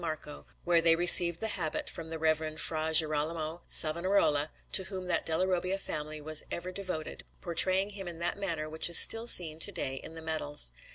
Marco, where they received the habit from the Reverend Fra Girolamo Savonarola, to whom that Della Robbia family was ever devoted, portraying him in that manner which is still seen to day in the medals.